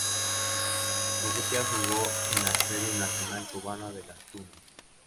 Urrutia jugó en la Serie Nacional Cubana de Las Tunas.